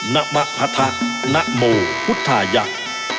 ณมะพัทนโมพุทธายักษ์